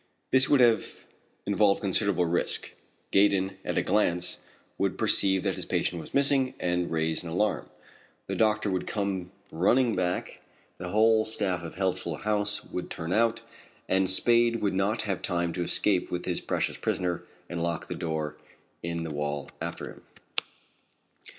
This would have involved considerable risk. Gaydon, at a glance, would perceive that his patient was missing and raise an alarm; the doctor would come running back; the whole staff of Healthful House would turn out, and Spade would not have time to escape with his precious prisoner and lock the door in the wall after him.